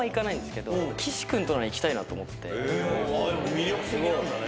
魅力的なんだね。